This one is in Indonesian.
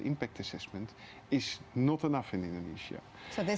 ini bukan penyelesaian tindakan lingkungan yang baik